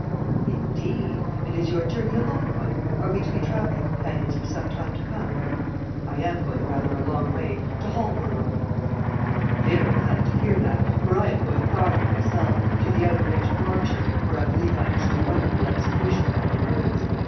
"Indeed! And is your journey a long one? Are we to be travelling companions for some time to come?" "I am going rather a long way to Holborough." "I am very glad to hear that, for I am going farther myself, to the outer edge of Yorkshire, where I believe I am to do wonderful execution upon the birds.